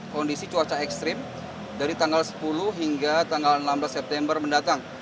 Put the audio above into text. kondisi cuaca ekstrim dari tanggal sepuluh hingga tanggal enam belas september mendatang